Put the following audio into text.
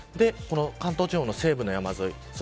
関東地方の西部の山沿い